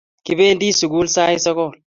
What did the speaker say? Kipendi sukul sait sogol